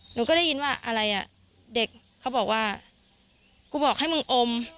หนูก็ได้ยินว่าอะไรอ่ะเด็กเขาบอกว่ากูบอกให้มึงอม